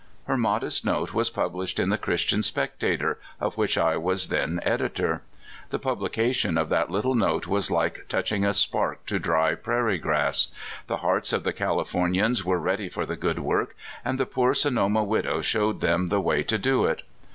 Her modest note was published in The Christian Sjoectator, of which I w^as then editor. The publication of that little note was like touching a spark to dry prairie grass. The hearts of the Californians were ready for the good work, and the poor Sonoma w^dow show^ed them the way to do it.